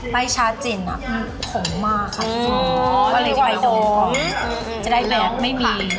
ใบชาจินมีขมมากครับอ๋อเวลาที่ไปดูก็จะได้แรงไม่มี